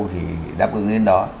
thì đáp ứng đến đó